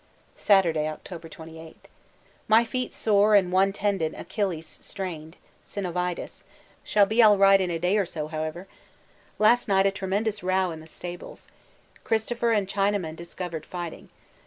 Saturday, October 28. My feet sore and one 'tendon Achillis' strained (synovitis); shall be right in a day or so, however. Last night tremendous row in the stables. Christopher and Chinaman discovered fighting.